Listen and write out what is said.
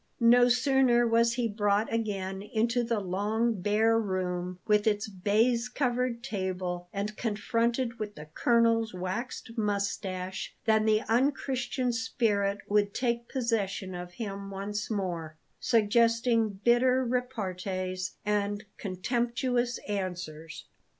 No sooner was he brought again into the long, bare room with its baize covered table, and confronted with the colonel's waxed moustache, than the unchristian spirit would take possession of him once more, suggesting bitter repartees and contemptuous answers.